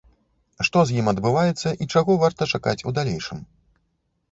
Што з ім адбываецца і чаго варта чакаць у далейшым?